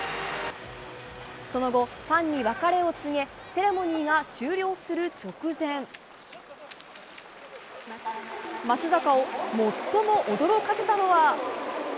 その後、ファンに別れを告げセレモニーが終了する直前松坂を最も驚かせたのは。